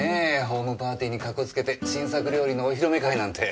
ホームパーティーにかこつけて新作料理のお披露目会なんて。